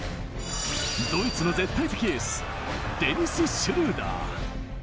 ドイツの絶対的エース、デニス・シュルーダー。